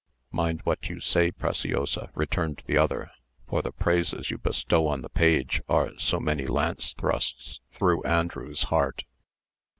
"Mind what you say, Preciosa," returned the other; "for the praises you bestow on the page are so many lance thrusts through Andrew's heart.